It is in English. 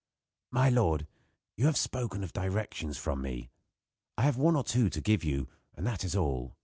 "My lord, you have spoken of directions from me. I have one or two to give you, and that is all.